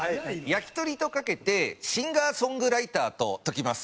焼鳥とかけてシンガーソングライターとときます。